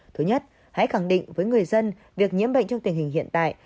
thứ nhất hãy khẳng định với người dân việc nhiễm bệnh trong tình hình hiện tại